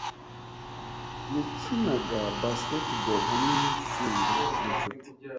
yakinaga basketball hamwe nitsinda ryinshuti.